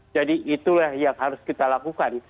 jadi itulah yang harus kita lakukan